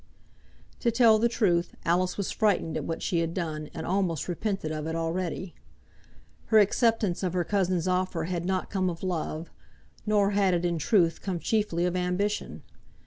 To tell the truth, Alice was frightened at what she had done, and almost repented of it already. Her acceptance of her cousin's offer had not come of love; nor had it, in truth, come chiefly of ambition.